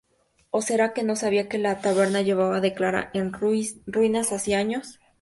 ¿ó será que no sabían que la taberna llevaba declara en ruinas hacía años?